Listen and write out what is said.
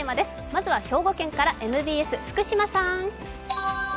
まずは兵庫県からＭＢＳ、福島さん。